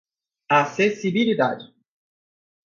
acessibilidade